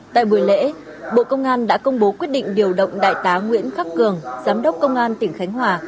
tại buổi lễ bộ công an đã công bố quyết định điều động đại tá nguyễn khắc cường giám đốc công an tỉnh khánh hòa